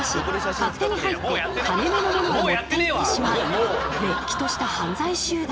勝手に入って金めのものを持って行ってしまうれっきとした犯罪集団。